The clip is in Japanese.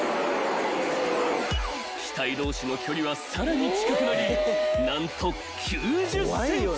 ［機体同士の距離はさらに近くなり何と９０ｃｍ］